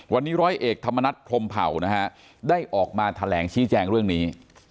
วันนี้ร้อยเอกธรรมนัฐพรมเผ่านะฮะได้ออกมาแถลงชี้แจงเรื่องนี้